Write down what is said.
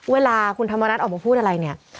เวลาคุณธรรมนัฐออกมาพูดอะไรเนี่ย